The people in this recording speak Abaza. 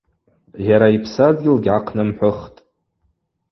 Йара йпсадгьыл дгьгӏахънымхӏвыхтӏ.